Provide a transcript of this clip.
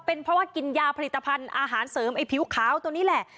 เป็นเพราะว่ากินยาผลิตภัณฑ์อาหารเสริมไอ้ผิวขาวตัวนี้แหละ